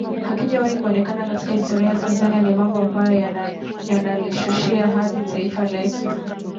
hakijawahi kuonekana katika historia ya Tanzania ni mambo ambayo yanalishushia hadhi taifa letu